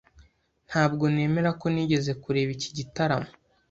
Ntabwo nemera ko nigeze kureba iki gitaramo.